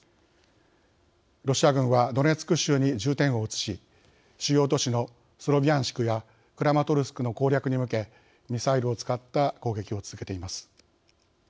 ロシア軍はドネツク州に重点を移し主要都市のスロビャンシクやクラマトルスクの攻略に向けミサイルを使った攻撃を続けています。